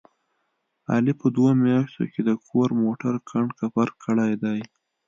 علي په دوه میاشتو کې د کور موټر کنډ کپر کړی دی.